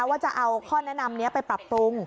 ว่าจะเอาข้อแนะนำนี้ไปปรับปรุง